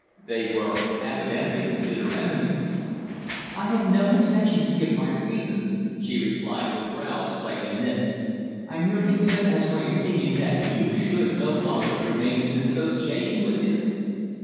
They were evidently bitter enemies. "I have no intention to give my reasons," she replied, her brows slightly knit. "I merely give it as my opinion that you should no longer remain in association with him."